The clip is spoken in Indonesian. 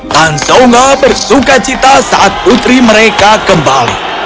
tan songa bersuka cita saat putri mereka kembali